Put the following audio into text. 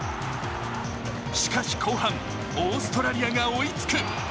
しかし後半、オーストラリアが追いつく。